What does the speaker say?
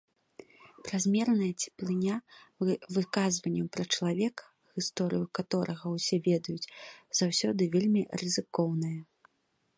Празмерная цеплыня выказванняў пра чалавека, гісторыю каторага ўсе ведаюць, заўсёды вельмі рызыкоўная.